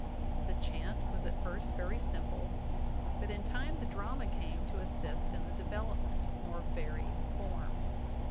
The chant was at first very simple, but in time the drama came to assist in the devel opment of more varied form.